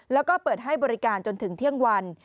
แล้วก็เปิดให้บริการจนถึงเที่ยงวัน